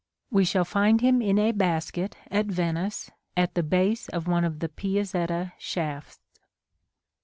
We shall find him in a basket at Venice, at the base of one of the Piazzetta shafts.